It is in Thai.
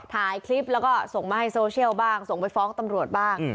ถ่ายคลิปแล้วก็ส่งมาให้โซเชียลบ้างส่งไปฟ้องตำรวจบ้าง